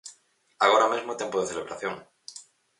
Agora mesmo é tempo de celebración.